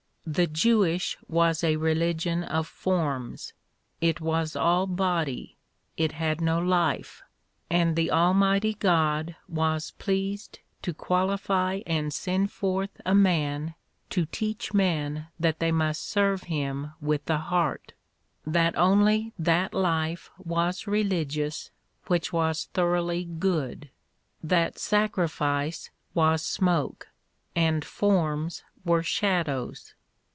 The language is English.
... The Jewish was a religion of forms ; it was all body, it had no life, and the Almighty God was pleased to qualify and send forth a man to teach men that they must serve Him with the heart ; that only that life was religious which was thoroughly good ; that sacrifice was smoke and forms were shadows.